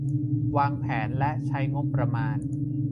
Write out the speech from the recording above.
วางแผนและใช้งบประมาณ